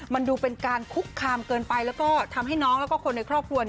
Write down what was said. มันดูเป็นการคุกคามเกินไปแล้วก็ทำให้น้องแล้วก็คนในครอบครัว